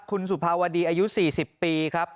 คุณสุภาวดีอายุ๔๐ปีครับ